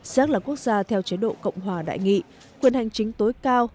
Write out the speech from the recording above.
xác là quốc gia theo chế độ cộng hòa đại nghị quyền hành chính tối cao